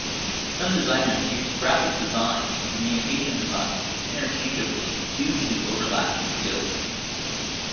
Some designers use graphic design and communication design interchangeably due to overlapping skills.